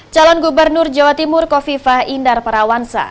calon gubernur jawa timur kofifah indar parawansa